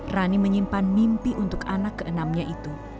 rani menyimpan mimpi untuk anak keenamnya itu